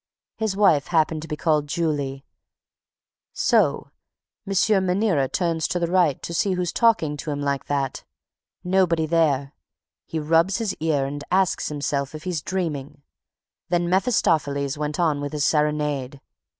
His wife happened to be called Julie. So. M. Maniera turns to the right to see who was talking to him like that. Nobody there! He rubs his ear and asks himself, if he's dreaming. Then Mephistopheles went on with his serenade...